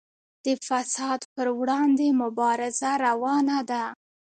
د فساد پر وړاندې مبارزه روانه ده